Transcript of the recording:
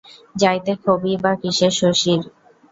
যাইতে ক্ষোভই বা কিসের শশীর?